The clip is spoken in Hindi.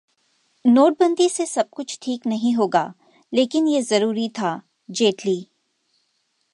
नोटबंदी से सब कुछ ठीक नहीं होगा, लेकिन ये जरूरी था: जेटली